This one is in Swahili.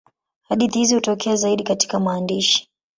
Hadithi hizi hutokea zaidi katika maandishi.